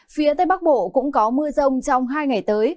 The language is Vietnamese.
phía tây bắc bộ cũng có mưa rông trong hai ngày tới